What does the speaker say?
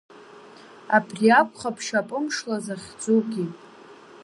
Абри акәхап шьапымшла захьӡугьы…